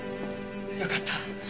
よかった。